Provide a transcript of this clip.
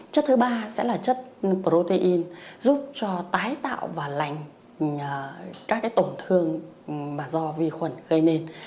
chất thứ ba sẽ là chất protein giúp cho tái tạo và lành các tổn thương mà do vi khuẩn gây nên